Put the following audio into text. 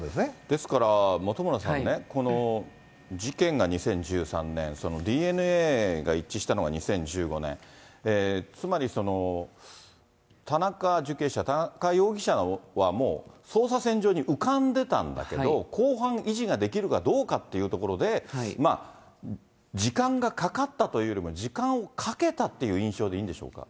ですから本村さんね、事件が２０１３年、ＤＮＡが一致したのが２０１５年、つまり田中受刑者、田中容疑者はもう捜査線上に浮かんでたんだけど、公判維持ができるかどうかっていうところで、時間がかかったというよりも、時間をかけたって印象でいいんでしょうか。